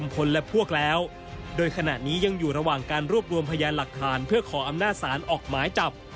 เพื่อขออำนาจศาลออกหมายจับ